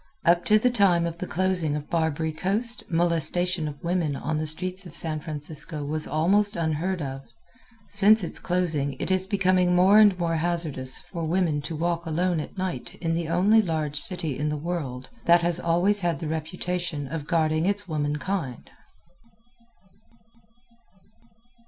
Up to the time of the closing of Barbary Coast molestation of women on the streets of San Francisco was almost unheard of. Since its closing it is becoming more and more hazardous for women to walk alone at night in the only large city in the world that always had the reputation of guarding its womankind.